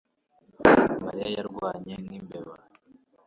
mariya yarwanye nki imbeba